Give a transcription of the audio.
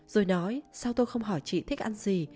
rồi nói sau tôi không hỏi chị thích ăn gì